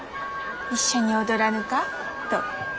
「一緒に踊らぬか？」と。